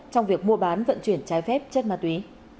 trong việc mua bán vận chuyển trái phép chất ma túy